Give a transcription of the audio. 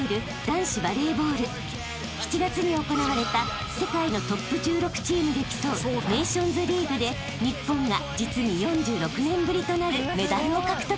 ［７月に行われた世界のトップ１６チームで競うネーションズリーグで日本が実に４６年ぶりとなるメダルを獲得］